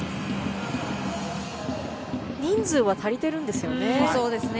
人数は足りてるんですよね。